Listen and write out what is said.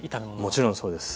もちろんそうです。